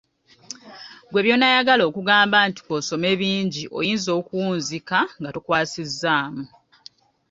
Ggwe by'onaayagala okugamba mbu k'osome bingi, oyinza okuwunzika nga tokwasizzaamu!